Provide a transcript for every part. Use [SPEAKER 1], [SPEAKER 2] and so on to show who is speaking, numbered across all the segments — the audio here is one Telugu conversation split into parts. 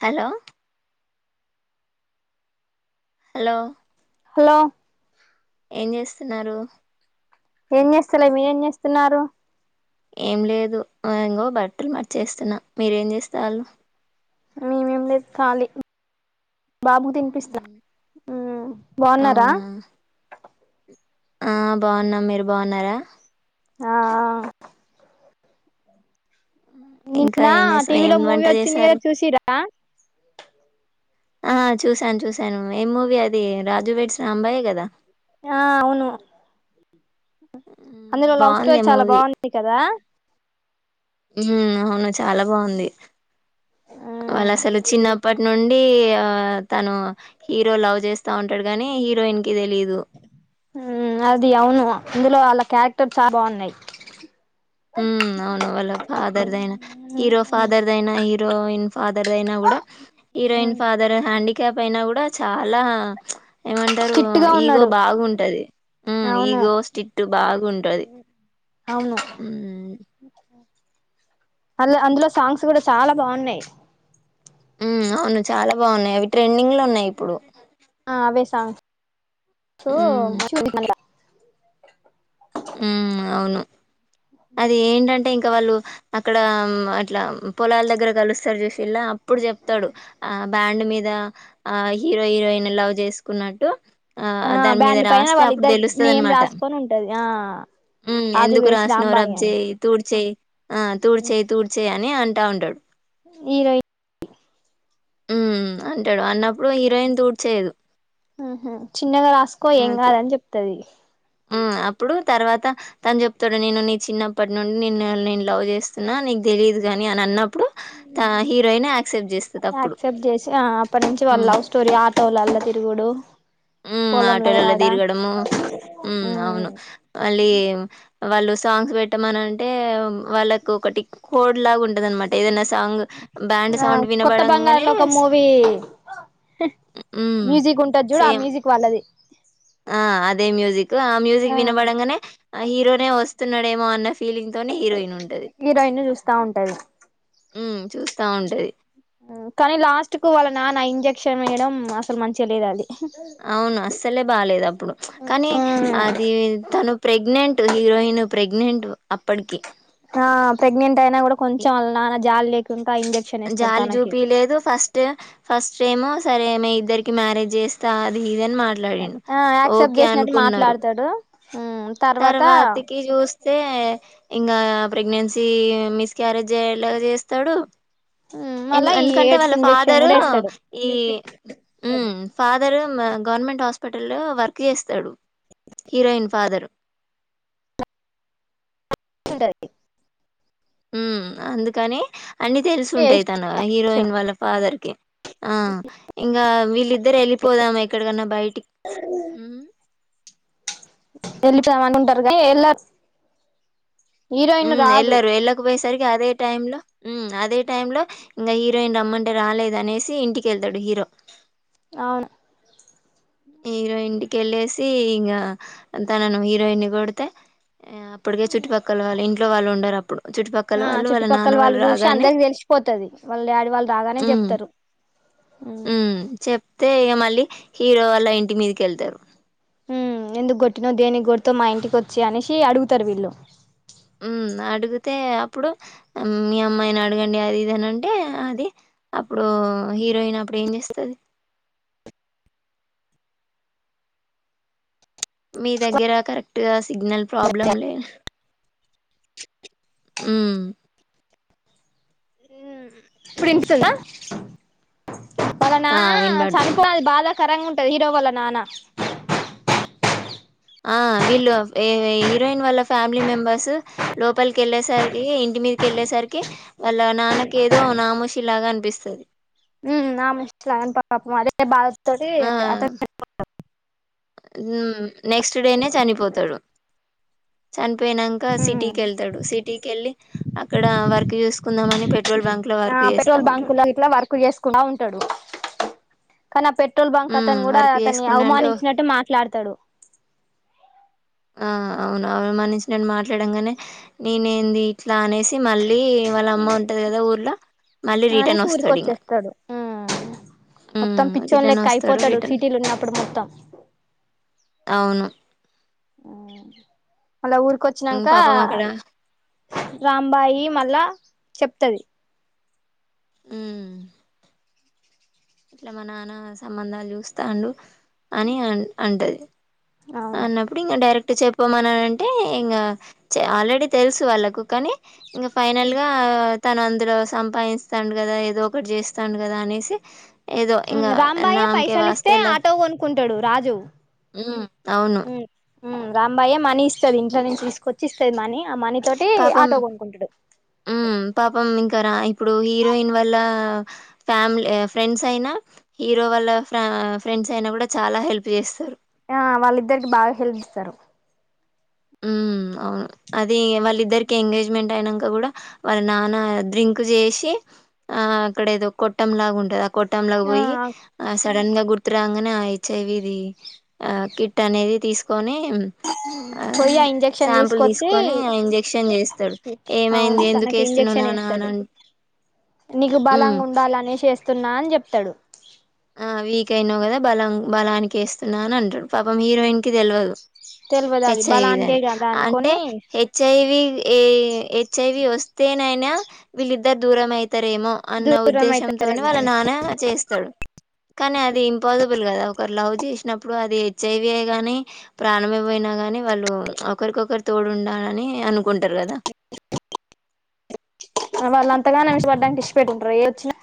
[SPEAKER 1] హలో! హలో!
[SPEAKER 2] హలో!
[SPEAKER 1] ఏం చేస్తున్నారు?
[SPEAKER 2] ఏం చేస్తలె మీరేం చేస్తున్నారు?
[SPEAKER 1] ఏం లేదు అ ఇంగో బట్టలు మలిచేస్తున్నా మీరేం చేస్తాన్లు
[SPEAKER 2] మేమేం లేద్ ఖాళీ బాబు తిన్పిస్న ఉమ్
[SPEAKER 1] అవునా ఆ బాగున్నాం, మీరు బాగున్నరా?
[SPEAKER 2] ఆ ఆ
[SPEAKER 1] ఇంకా
[SPEAKER 2] నిన్న
[SPEAKER 1] ఏం చేస్
[SPEAKER 2] టీవీలో
[SPEAKER 1] ఏం
[SPEAKER 2] మూవీ
[SPEAKER 1] వంట
[SPEAKER 2] వచ్చింది కదా
[SPEAKER 1] చేశారు.
[SPEAKER 2] చూసిరా
[SPEAKER 1] ఆ చూశాన్ చూశాను ఏం మూవీ అది రాజువెడ్
[SPEAKER 2] ఆ అవును.
[SPEAKER 1] మ్మ్,
[SPEAKER 2] అందులో లవ్ స్టోరీ
[SPEAKER 1] బాగుంది ఆ
[SPEAKER 2] చాలా బాగుంది కదా
[SPEAKER 1] మ్ అవును చాలా బాగుంది. వాళ్ళసలు
[SPEAKER 2] మ్మ్
[SPEAKER 1] చిన్నప్పట్ నుం డీ ఆ తను హీరో లవ్ చేస్తా ఉంటడు గనీ హీరోయిన్ కి తెలీదు
[SPEAKER 2] ఉమ్ అది అవును అందులో ఆళ్ళ క్యారెక్టర్ చ బాగున్నయి.
[SPEAKER 1] మ్ అవును వాళ్ళ ఫాదర్దయిన హీరో ఫాదర్దయినా హీరోయిన్ ఫాదర్దయినా గుడా హీరోయిన్ ఫాదర్ హ్యాండిక్యాప్ అయినా గుడా చాలా ఏమంటరు
[SPEAKER 2] స్ట్రిక్ట్ గా
[SPEAKER 1] ఈగో
[SPEAKER 2] ఉన్నాడు
[SPEAKER 1] బాగుంటది. మ్
[SPEAKER 2] అవును
[SPEAKER 1] ఈగో స్టిట్ బాగుంటది.
[SPEAKER 2] అవును.
[SPEAKER 1] హ్మ్.
[SPEAKER 2] అల్ అందులో సాంగ్స్ గుడా చాలా బాగున్నయి.
[SPEAKER 1] మ్ అవును చాలా బాగున్నయి అవి ట్రెండింగ్లో ఉన్నయి ఇప్పుడు
[SPEAKER 2] త సో
[SPEAKER 1] హ్మ్.
[SPEAKER 2] మంచి [unintelligible]
[SPEAKER 1] ఉమ్ అవును. అది ఏంటంటే ఇంకా వాళ్ళు అక్కడా అట్లామ్ పొలల్ దగ్గర కలుస్తర్ చూసింల అప్పుడ్ చెప్తడు ఆ బ్యాండ్ మీద ఆ హీరో హీరోయిన్ లవ్ చేస్కున్నట్టు ఆ దాన్ మీద
[SPEAKER 2] బ్యాండ్ పైన
[SPEAKER 1] రాస్తే అప్పుడు
[SPEAKER 2] వాళ్ళిద్దరు నేమ్
[SPEAKER 1] తెలుస్తుదన్మాట.
[SPEAKER 2] రాసుకొని ఉంటది ఆ
[SPEAKER 1] మ్
[SPEAKER 2] రాజు
[SPEAKER 1] ఎందుకు
[SPEAKER 2] వేడ్స్
[SPEAKER 1] రాసినవ్
[SPEAKER 2] రాంబాయి అని
[SPEAKER 1] రబ్జెయి తూడ్చేయి ఆ తూడ్చెయి తూడ్చెయి అని అంటా ఉంటడు.
[SPEAKER 2] హీరోయి
[SPEAKER 1] మ్ అంటడు అన్నప్పుడు హీరోయిన్ తూడ్చేయదు.
[SPEAKER 2] మ్ హ్ చిన్నగ రాస్కో ఏం
[SPEAKER 1] ఉమ్ తు-
[SPEAKER 2] కాదని చెప్తది.
[SPEAKER 1] త తను చెప్తడు నేను నీ చిన్నప్పట్ నుండి నిన్న నే లవ్ చేస్తున్న నీక్ తెలీదు గని అన్ అన్నప్పుడు తా హీరోయినే యాక్సెప్ట్ చేస్తదప్పుడు
[SPEAKER 2] యాక్సెప్ట్ చేసి ఆ అప్పట్ నుంచి వాళ్ళ లవ్ స్టోరీ ఆటోలల్ల తిరుగుడు
[SPEAKER 1] ఉమ్
[SPEAKER 2] పొలంల
[SPEAKER 1] ఆటోలల్ల
[SPEAKER 2] కాడ
[SPEAKER 1] తిరగడము హమ్ అవును
[SPEAKER 2] ఉమ్
[SPEAKER 1] మళ్ళీ వాళ్ళు సాంగ్స్ పెట్టమనంటే వాళ్ళకు ఒకటి కోడ్ లాగా ఉం
[SPEAKER 2] ఆ కొత్త బంగారు
[SPEAKER 1] వినబడంగానే
[SPEAKER 2] లోకం మూవీ హ్
[SPEAKER 1] హ్మ్
[SPEAKER 2] మ్యూజిక్ ఉంటది చూడు ఆ
[SPEAKER 1] సేమ్
[SPEAKER 2] మ్యూజిక్ వాళ్ళది
[SPEAKER 1] ఆ అదే మ్యూజిక్ ఆ మ్యూజిక్ వినబడంగనే అ హీరోనే వస్తున్నడేమో అన్న ఫీలింగ్ తోనే హీరోయిన్ ఉంటది
[SPEAKER 2] హీరోయిన్ని చూస్తా ఉంటది.
[SPEAKER 1] హ్మ్ చూస్తా ఉంటది
[SPEAKER 2] కని లాస్ట్కు వాళ్ళ నాన్న ఇంజె క్షన్ వేయడం అస్సలు మంచిగ లేదది.
[SPEAKER 1] అవును అస్సలే బాలేదు అప్పుడు కానీ
[SPEAKER 2] ఆ
[SPEAKER 1] అదీ తను ప్రెగ్నెంట్ హీరోయిన్ ప్రెగ్నెంట్ అప్పటికి
[SPEAKER 2] హా ప్రెగ్నెంట్ అయినా కూడా కొంచెం ఆల్నాన్న జాల్లే
[SPEAKER 1] జాలి జూపియ్య లేదు ఫస్ట్ ఫస్ట్ ఏమో సరే మీ ఇద్దర్కి మ్యారేజ్ జేస్తా అది ఇదని మాట్లాడిండ్
[SPEAKER 2] ఆ యాక్సెప్ట్
[SPEAKER 1] ఓకే
[SPEAKER 2] చేసినట్టు
[SPEAKER 1] అనుకున్నరు
[SPEAKER 2] మాట్లాడతాడు ఉమ్ తర్వాత
[SPEAKER 1] తర్వాతికి చూస్తే ఇంగా ప్రెగ్నె స్సీ మిస్ క్యారేజయ్యేలాగా చేస్తాడు
[SPEAKER 2] ఉమ్
[SPEAKER 1] ఎందు
[SPEAKER 2] మళ్ళా ఈ
[SPEAKER 1] ఎందుకంటే
[SPEAKER 2] ఎయిడ్స్
[SPEAKER 1] వాళ్ళ
[SPEAKER 2] ఇంజెక్షన్
[SPEAKER 1] ఫాదరూ
[SPEAKER 2] కూడా వేస్తాడు
[SPEAKER 1] ఈ మ్ ఫాదరు గవర్నమెంట్ హాస్ప పటల్లో వర్క్ చేస్తడు హీరోయిన్ ఫాదర్
[SPEAKER 2] ఉంటది
[SPEAKER 1] ఉ అందుకనే అన్ని తెల్సుంటయి తన హీరోయిన్ వాళ్ళ ఫాదర్కి ఆ ఇంగా వీళ్ళిద్దరు ఎళ్ళిపోదామా ఎక్కడికన్నా బయటికి
[SPEAKER 2] ఎల్లిపోదామన్కుంటారు గానీ వెళ్లారు హీరోయిన్ను రాదు
[SPEAKER 1] సరికిగా అదే టైంలో ఉమ్ అదే టైంలో ఇంగ హీరోయిన్ రమ్మంటే రాలేదనేసి ఇంటికెళ్తడు హీరో
[SPEAKER 2] అవునా
[SPEAKER 1] హీరో ఇంటిక్కెళ్ళేసీ ఇంగా తనను హీరోయిన్ని కొడితే అప్పటికే చుట్టుపక్కల వాళ్ళు ఇంట్లో వాళ్ళుండరప్
[SPEAKER 2] ఆ చుట్టుపక్కల వాళ్ళు జూసి అందర్కి తెల్సిపోతది వాళ్ళు డాడీ వాళ్ళు రాగానే చెప్తారు ఉమ్
[SPEAKER 1] ఉ చెప్తే ఇగ మళ్ళీ హీరో వాళ్ళంటి మీదికెళ్తరూ
[SPEAKER 2] హు ఎందుకొట్టినవ్ దేనిక్కొడ్తవ్ మా ఇంటికొచ్చి అనేసి అడుగుతరు వీళ్ళు
[SPEAKER 1] మ్ అడుగుతే అప్పుడు మీ అమ్మాయిని అడగండి అదీ ఇదనంటే అది అప్పుడూ హీరోయిన్ అప్పుడు ఏం చేస్తది మీ దెగ్గర కరెక్ట్గా సిగ్నల్ ప్రాబ్లం లేదు ఉమ్
[SPEAKER 2] ఉ ఇప్పుడిన్పిస్సుందా వాళ్ళ
[SPEAKER 1] ఆ
[SPEAKER 2] నాన్న చనిపో
[SPEAKER 1] వినబడుతుంది
[SPEAKER 2] బాదకరంగా ఉంటది హీరో వాళ్ళ నాన్న
[SPEAKER 1] ఆ వీళ్ళు ఏ వై హీరోయిన్ వాళ్ళ ఫ్యామిలీ మెంబర్సూ లో లోపల వెళ్లేసరికి ఇంటిమీదకి వెళ్లే సర్ వాళ్ళ నాన్నకేదో నామూషి లాగా అన్పిస్సది
[SPEAKER 2] ఉ నా మూష్టీలాంట పాపం అదే బాధ తోటి అతను చనిపోతాడూ
[SPEAKER 1] మ్ నెక్స్తడే నే చనిపోతడు చనిపోయినంక సిటీకెళ్తడు సిటీకెళ్ళి అక్కడ వర్కు చూసుకుందామని పెట్రోల్ బంక్ లో
[SPEAKER 2] ఆ
[SPEAKER 1] వర్క్ చేస్తా
[SPEAKER 2] పెట్రోల్
[SPEAKER 1] ఉంటడు
[SPEAKER 2] బంకులో ఇట్లా వర్క్ చేసుకుంటా ఉంటడూ కాని ఆ పెట్రోల్ బంక్
[SPEAKER 1] ఉమ్
[SPEAKER 2] అతను కూడా
[SPEAKER 1] వర్క్
[SPEAKER 2] అతని
[SPEAKER 1] చేసుకున్నాంటే
[SPEAKER 2] అవమానించినట్టు మాట్లాడతడు
[SPEAKER 1] ఆ అవునవును అమానించ్నట్ మాట్లాడంగానే నేనేంది ఇ ట్లా అనేసి మళ్ళీ వాళ్ళ అమ్మ ఉంటది కదా ఊరులో మళ్ళీ రిటర్న్
[SPEAKER 2] అనేసి
[SPEAKER 1] వస్తాడుంక్
[SPEAKER 2] ఒత్తం పిచ్చోన్
[SPEAKER 1] రిటర్న్
[SPEAKER 2] లెక్క
[SPEAKER 1] వస్తాడు
[SPEAKER 2] అయిపోతడు
[SPEAKER 1] రిటర్న్
[SPEAKER 2] సిటీలున్నప్పుడు మొత్తం
[SPEAKER 1] అవును
[SPEAKER 2] ఉ మళ్ళ
[SPEAKER 1] హ్మ్.
[SPEAKER 2] ఊర్కొచ్చినంకా
[SPEAKER 1] పాపం అక్కడ
[SPEAKER 2] రాంబాయి మళ్ళా చెప్తది
[SPEAKER 1] ఊమ్ ఇట్లా మా నాన్న సంబంధాలు చూస్తాండు అని అ అంటది
[SPEAKER 2] అవును
[SPEAKER 1] అన్నపుడు ఇంగ డైరెక్ట్ చెప్పుమాని అంటే ఇంకా ఆల్రెడీ తెల్సు వాళ్ళకు కానీ ఇంకా ఫైనల్ గా తన్ అంతట్గా సంపాదిస్తాండ్ కదా ఏదో ఒకటి చేస్తాండ్ కదా అనేసి ఏదో ఇంగ
[SPEAKER 2] రాంబాయే
[SPEAKER 1] నాంకే
[SPEAKER 2] పైసలు ఇస్తే
[SPEAKER 1] వాస్తె ల
[SPEAKER 2] ఆటో కొనుక్కుంటాడు రాజు
[SPEAKER 1] ను
[SPEAKER 2] ఉ రాంబాయే మనీ ఇస్తది ఇంట్లో నుంచి తీస్కొచ్చి ఇస్తంది మనీ ఆ మనీ తోటి
[SPEAKER 1] పాపం
[SPEAKER 2] ఆటో కొనుక్కుంటాడు
[SPEAKER 1] ఊ పాపం ఇంకా రా ఇప్పుడు హీరోయిన్ వాల్ల ఫ్యామిలీ ఫ్రెండ్స్ అయినా హీరో వాళ్ళ ఫ్ర ఫ్రెండ్స్ అయినా కూడా చాలా హెల్ప్ చేస్తారు
[SPEAKER 2] ఆ వాళ్ళిద్దరికి బాగ్ హెల్పిస్తారు
[SPEAKER 1] ఊ అవును అది వాళ్ళిద్దరికి ఎంగేజ్మెంట్ అయినంకా కూడా వాళ్ళ నాన్న డ్రింక్ చేసి ఆ అక్కడ ఏదో కొట్టం లాగా ఉంటది ఆ కొట్టం లోగ్
[SPEAKER 2] ఆ
[SPEAKER 1] పోయి ఆ సడన్గా గు తురాంగనే అ హెచ్ ఐ వి ది ఆ కిట్ అనేది తీస్కొని
[SPEAKER 2] ఉ పొయ్యి ఇంజక్షన్ తీస్కొచ్చి
[SPEAKER 1] తీసుకొని ఆ ఇంజెక్షన్ చేస్తాడు.
[SPEAKER 2] అవును తనకి ఇంజక్షన్ ఏస్తాడు
[SPEAKER 1] ఉ
[SPEAKER 2] నీకు బలంగా ఉండాలనేసి ఎస్తున్న అని చెప్తాడు
[SPEAKER 1] ఆ వీక్ అయినావు కదా బలం బలానికి ఏస్తున్నా అని అంటాడు పాపం హీరోయిన్ కి తెల్వదు
[SPEAKER 2] తెల్వదు అది
[SPEAKER 1] హెచ్ఐవి
[SPEAKER 2] బలానికే
[SPEAKER 1] దని
[SPEAKER 2] కదా
[SPEAKER 1] అంటే
[SPEAKER 2] అనుకొని
[SPEAKER 1] హెచ్ఐవి ఏ హెచ్ఐవి ఒస్త్ తేనైనా వీళ్ళిద్దర్ దూరం అయి తరేమో అన్న
[SPEAKER 2] దూరం
[SPEAKER 1] ఉద్దేశంతోనే
[SPEAKER 2] అయితారేమో
[SPEAKER 1] వాళ్ళ
[SPEAKER 2] అని
[SPEAKER 1] నాన్న చేస్తాడు కానీ అది ఇంపాసిబుల్ కదా ఒక లవ్ చేశ్నప్పుడు అది హెచ్ ఐ వి యే గాని ప్రాణమే పోయి గాని వాళ్ళు ఒకరికొకరు తోడు ఉండాలని అనుకుంటార్ కదా
[SPEAKER 2] వాళ్ళు అంతగానం ఇష్టపడ్డంక ఇడిచిపెట్టి ఉంటారా ఏది వచ్చినా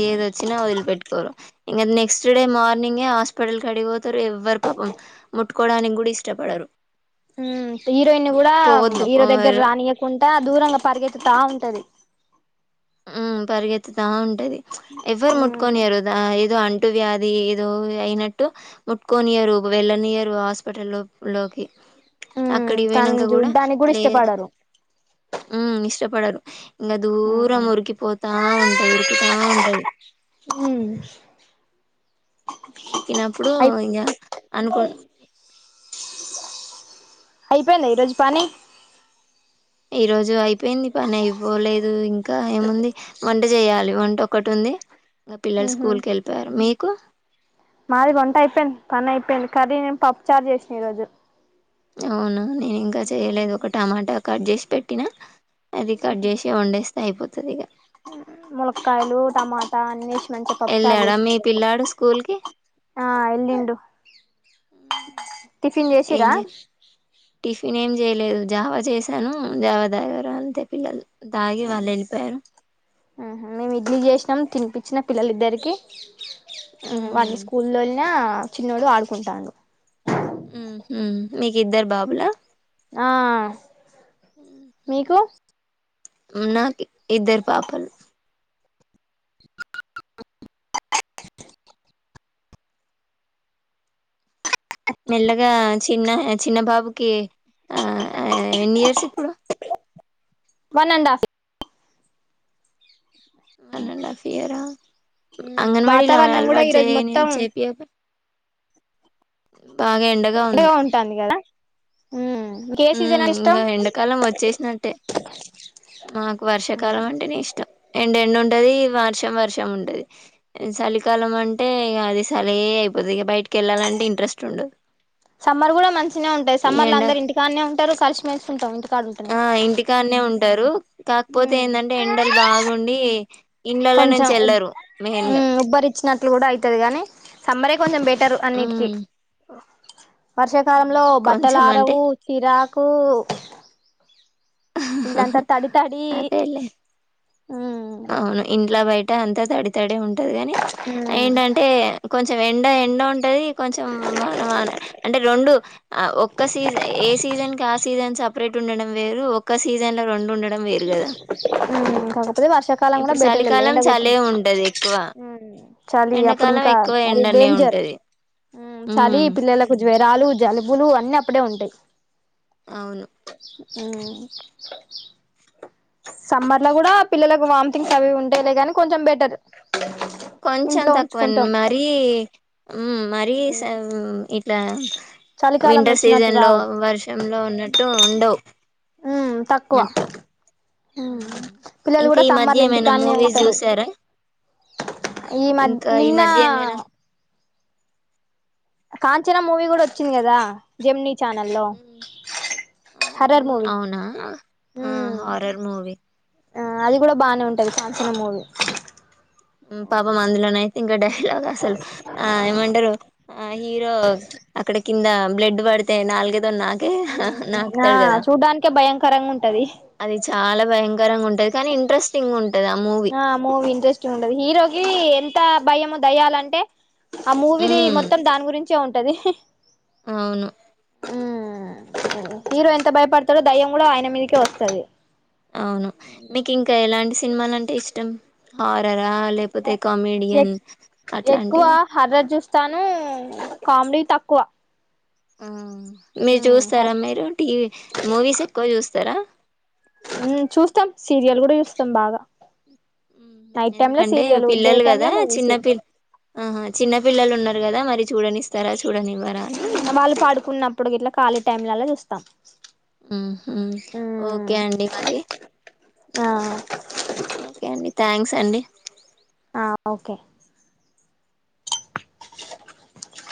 [SPEAKER 1] ఏది ఒచ్చినా వదిలి పెట్టుకోరు ఇంగ నెక్స్ట్ డే మార్నింగే హాస్పిటల్ కాడికి పోతరు ఎవ్వర్ పాపం ముట్టుకోడానికి కూడా ఇష్టపడరు
[SPEAKER 2] ఊమ్ హీరోయిన్ కూడా
[SPEAKER 1] పోవద్దు
[SPEAKER 2] హీరో దగ్గర్
[SPEAKER 1] పోరు
[SPEAKER 2] రానియకుం ట దూరంగా పరిగెత్తుతా ఉంటది
[SPEAKER 1] ఉ పరిగెత్తుతా ఉంటది ఎవరు
[SPEAKER 2] ఉమ్
[SPEAKER 1] ముట్కొనియారు ఏదో అం టు వ్యాధి ఏదో అయినట్టు ముట్కొనియరు వెళ్ళనియరు హాస్పిటల్ లోకి
[SPEAKER 2] ఉమ్
[SPEAKER 1] అక్కడికి పోయినంక
[SPEAKER 2] తనని
[SPEAKER 1] కూడా
[SPEAKER 2] చూడ్డానికి
[SPEAKER 1] లే
[SPEAKER 2] ఇష్టపడరు
[SPEAKER 1] ఉ ఇష్టం పడరు ఇంకా
[SPEAKER 2] ఉమ్
[SPEAKER 1] దూరం ఉరికిపోతా ఉంటది ఉర్కుతా ఉంటది
[SPEAKER 2] ఊ
[SPEAKER 1] ఉరికినప్పుడు ఇంగ అనుకు
[SPEAKER 2] అయిపోయింద ఈరోజ్ పని
[SPEAKER 1] ఈ రోజు అయిపోయింది పని అయిపోలేదు ఇంకా ఏముంది వంట చేయాలి వంట ఒకట్ ఉంది ఇంకా పిల్లలు
[SPEAKER 2] ఉహు
[SPEAKER 1] స్కూల్ కెళ్ళిపోయారు మీకు
[SPEAKER 2] మాది వంట అయిపోయింద్ పని అయిపోయింద్ కర్రీ నేన్ పప్పు చార్ చేశ్నా ఈ రోజు
[SPEAKER 1] అవున నేన్ ఇంకా చేయలేదు ఒక టమాటా కట్ చేసి పెట్టినా అది కట్ చేసి వండేస్తే అయిపోతది ఇగా
[SPEAKER 2] ముల్కయాలు టమాటా అన్ని మంచిగా పప్పు చార్
[SPEAKER 1] ఎళ్ళాడా మీ
[SPEAKER 2] చేశ్నా ఈరోజు
[SPEAKER 1] పిల్లాడు స్కూల్‌కి?
[SPEAKER 2] ఆ ఏళ్ళిండు టిఫిన్ చేసిర్రా
[SPEAKER 1] జెయలేదు జావా చేశాను జావా దాగారు అంతే పిల్లలు తాగి
[SPEAKER 2] ఆ
[SPEAKER 1] వాళ్ళు ఎళ్ళిపోయారు.
[SPEAKER 2] ఆహ మేమ్ ఇడ్లీ చేశ్నాం తిన్పించిన పిల్లలిద్దరికి అ వాన్ని
[SPEAKER 1] హ్మ్.
[SPEAKER 2] స్కూల్ తోళ్న చిన్నోడు ఆడ్కుంటాండు
[SPEAKER 1] ఊహ్ మీక్ ఇద్దర్ బాబుల
[SPEAKER 2] ఆ మీకు
[SPEAKER 1] ఉన్నా ఇద్దర్ పాపల్ మెల్లగా చిన్న చిన్న బాబుకి ఆ ఎనీయర్స్ ఇప్పుడు
[SPEAKER 2] one and half
[SPEAKER 1] one and half ఇయరా అంగన్వాడీలా
[SPEAKER 2] వాతావరణం కూడా
[SPEAKER 1] అల్వట్ జె
[SPEAKER 2] ఈరోజు
[SPEAKER 1] ని
[SPEAKER 2] మొత్తం
[SPEAKER 1] జెపియపొ ఎండగా ఉంది
[SPEAKER 2] [unintelligible] ఉంటాన్ది గదా
[SPEAKER 1] ఉహ్మ్ ఇంగ ఎండాకాలం వచ్చేసినట్టే మాకు వర్షాకాలం అంటనే ఇష్టం ఎండ ఎండ్ ఉంటది వర్షం వర్షం ఉంటది సాలికాలం అంటే ఇగాది సలే అయిపోతది ఇగ బయటికి వెళ్ళాలంటే ఇంట్రెస్ట్ ఉండదు
[SPEAKER 2] సమ్మర్ కూడా మంచినే ఉంటది
[SPEAKER 1] ఈ
[SPEAKER 2] సమ్మర్ ల
[SPEAKER 1] ఎండ
[SPEAKER 2] అందరు ఇంటికాన్నే ఉంటారు కలిసి మెల్సి ఉంటాం ఇంటికాడ ఉంటేనే
[SPEAKER 1] ఆ ఇంటికాన్నే ఉంటారు కాకపోతే ఏందంటే ఎండలు బాగుండి ఇండ్లలా నుంచి ఎల్లరు మెయిన్గా
[SPEAKER 2] చ్చినట్లు కూడా అయితది గనీ సమ్మరే కొంచెం బెటర్ అన్నిటికి
[SPEAKER 1] ఉమ్
[SPEAKER 2] వర్షాకాలంలో
[SPEAKER 1] ఉమ్ కొంచెం అంటే
[SPEAKER 2] బట్టలారవు చిరాకు ఇన్నలంత తడి తడి
[SPEAKER 1] అదేలే
[SPEAKER 2] హ్మ్
[SPEAKER 1] అవును ఇంట్ల బయట అంతా తడితడే ఉంటది గని
[SPEAKER 2] ఉమ్
[SPEAKER 1] ఏంటంటే కొంచె ఎండ ఎండ ఉం టది కొంచెం వాన వాన అంటే రొండు అ ఒక్క సీజ ఏ సీజన్ కి ఆ సీజన్ సప్ ప్రేట్ ఉండడం వేరు ఒక్క సీజన్ల రొండు ఉండ
[SPEAKER 2] [unintelligible] అ కాక తే వర్షాకాలం కూడా
[SPEAKER 1] ఇప్పుడు
[SPEAKER 2] బెటల్ లే
[SPEAKER 1] చలికాలం
[SPEAKER 2] ఎండ గొట్టి
[SPEAKER 1] చలే ఉంటది ఎక్కువ
[SPEAKER 2] చలి అపుడింకా మరి
[SPEAKER 1] నే ఉంటది
[SPEAKER 2] ఉహ్మ్ చలి
[SPEAKER 1] ఉమ్
[SPEAKER 2] పిల్లలకు జ్వరాలు జలుబులు అన్నీ అప్పుడే ఉంటాయి
[SPEAKER 1] అవును
[SPEAKER 2] ఉహ్మ్ సమ్మర్ ల కూడా పిల్లలకు వాంథింగ్స్ అవి ఇవి ఉంటాయి లే గానీ కొంచెం బెటర్
[SPEAKER 1] కొంచం
[SPEAKER 2] ఇంట్లో
[SPEAKER 1] తక్కువం
[SPEAKER 2] ఉంచుకుంటాం
[SPEAKER 1] మరీ మరీ
[SPEAKER 2] మ్మ్
[SPEAKER 1] స లా
[SPEAKER 2] చలికాలంలో
[SPEAKER 1] వింటర్
[SPEAKER 2] వచ్చినట్టు
[SPEAKER 1] సీజన్ లో
[SPEAKER 2] రావు
[SPEAKER 1] వర్షంలో ఉన్నట్టు ఉండవ్
[SPEAKER 2] ఉహ్మ్ తక్కువ ఉహ్మ్
[SPEAKER 1] ఉమ్.
[SPEAKER 2] పిల్లలు
[SPEAKER 1] ఇంకా
[SPEAKER 2] కూడా
[SPEAKER 1] ఈ మధ్య
[SPEAKER 2] సమ్మర్ల
[SPEAKER 1] ఏమైనా
[SPEAKER 2] ఇంటికాన్నే
[SPEAKER 1] మూవీస్
[SPEAKER 2] ఉంటారు
[SPEAKER 1] చూసారా
[SPEAKER 2] ఈ మద్
[SPEAKER 1] ఇంకా ఈ
[SPEAKER 2] నిన్న
[SPEAKER 1] మధ్య ఏమైనా
[SPEAKER 2] కాంచనా మూవీ కూడా వచ్చింది కదా జెమినీ ఛానల్లో హర్రర్
[SPEAKER 1] అవున్
[SPEAKER 2] మూవీ
[SPEAKER 1] అవునా ఆ
[SPEAKER 2] మ్మ్
[SPEAKER 1] హారర్ మూవీ
[SPEAKER 2] ఆ అది కూడా బానే ఉంటది కాంచన మూవీ
[SPEAKER 1] హ్మ్ పాపం అందులో నైతే ఇంకా డైలాగ్ అసలు ఆ ఏమంటారు ఆ హీరో అక్కడ కింద బ్లడ్ పడితే నాల్గ తొన్ నాకే
[SPEAKER 2] ఆ
[SPEAKER 1] నాకుతాడు గదా
[SPEAKER 2] చూడ్డానికే భయంకరంగా ఉంటది
[SPEAKER 1] అది చాలా భయ కరంగ ఉంటాది కానీ ఇంట్రెస్టింగ్ ఉం
[SPEAKER 2] ఆ మూవీ ఇంట్రెస్టింగ్ ఉండది హీరోకి ఎంత భయము దయ్యాలంటే ఆ మూవీది
[SPEAKER 1] హ్మ్
[SPEAKER 2] మొత్తం దాని గురించే ఉంటది
[SPEAKER 1] అవును
[SPEAKER 2] హీరో
[SPEAKER 1] ఉమ్,
[SPEAKER 2] ఎంత బయపడతాడో దయ్యం కూడా ఆయన మీదికే ఓస్తది
[SPEAKER 1] అవును మిక్ ఇంకా ఎలాంటి సినిమాలంటే ఇష్టం హారర్ ఆ లేకపోతే
[SPEAKER 2] ఎ
[SPEAKER 1] కామెడియన్ అట్లాంటివా
[SPEAKER 2] తాను కామెడీ తక్కువ
[SPEAKER 1] ఆ మీరు
[SPEAKER 2] మ్మ్
[SPEAKER 1] చూస్తారా మీరు టీవీ మూవీస్ ఎక్కువ చూస్తారా
[SPEAKER 2] ఉహ్మ్ చూస్తాం సీరియల్ కూడా చూస్తాం బాగా.
[SPEAKER 1] ఉమ్
[SPEAKER 2] నైట్ టైమ్ లో
[SPEAKER 1] ఎందుకంటే
[SPEAKER 2] సీరియల్ డే
[SPEAKER 1] పిల్లలు
[SPEAKER 2] టైమ్
[SPEAKER 1] కదా
[SPEAKER 2] లో మూవీస్
[SPEAKER 1] చిన్నపిల్ ఆహా చిన్న పిల్లలు ఉన్నారు. కదా మరి చుడానిస్.
[SPEAKER 2] ఉమ్ మళ్ళి పడుకున్నప్పుడు ఇట్లా ఖాళీ టైమ్లలా చూస్తా.
[SPEAKER 1] ఊహు ఓకే అండి మరి
[SPEAKER 2] ఆ
[SPEAKER 1] ఓకే అండి థ్యాంక్స్ అండి
[SPEAKER 2] ఆ ఓకే